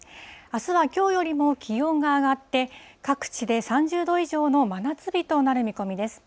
あすはきょうよりも気温が上がって、各地で３０度以上の真夏日となる見込みです。